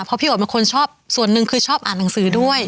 เพราะพี่โอ๋เป็นคนชอบส่วนหนึ่งคือชอบอ่านหนังสือด้วย